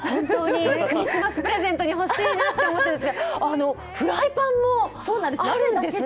クリスマスプレゼントにほしいなと思っているんですが、フライパンもあるんですね。